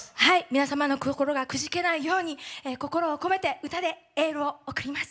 皆様の心がくじけないように心を込めて歌でエールを送ります。